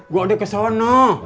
gue udah kesana